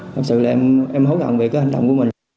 thật sự là em hối hận về cái hành động của mình